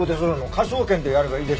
科捜研でやればいいでしょ。